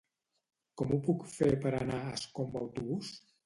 Com ho puc fer per anar a Ascó amb autobús?